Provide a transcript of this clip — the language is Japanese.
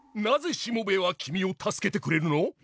なぜしもべえは君を助けてくれるの？